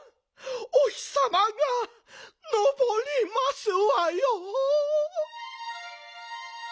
お日さまがのぼりますわよ。